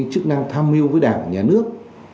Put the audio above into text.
chức năng tham mưu với đảng nhà nước